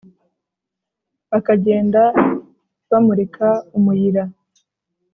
bakagenda bámurika umuyira